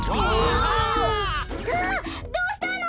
あっどうしたの？